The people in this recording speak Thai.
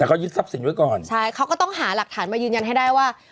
แต่เขายึดทรัพย์สินไว้ก่อนใช่เขาก็ต้องหาหลักฐานมายืนยันให้ได้ว่า